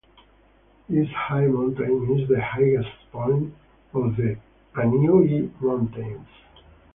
This high mountain is the highest point of The Anyuy Mountains.